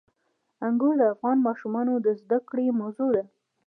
انګور د افغان ماشومانو د زده کړې موضوع ده.